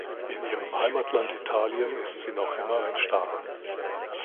In ihrem Heimatland Italien ist sie noch immer ein Star.